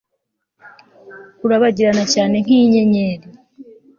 urabagirana cyane nkinyenyeri